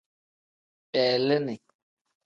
Beleeni.